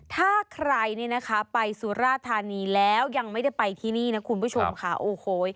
ถ้าใครไปสุรธานีแล้วยังไม่ได้ไปที่นี่นะคุณผู้ชมค่ะโอเค